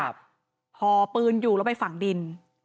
ห่อปืนอยู่แล้วไปฝั่งดิน